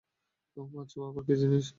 মাছুয়া আবার কী জিনিস?